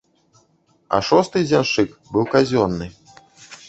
А шосты дзяншчык быў казённы.